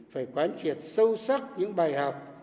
phải quan triệt sâu sắc những bài học